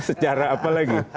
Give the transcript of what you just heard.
secara apa lagi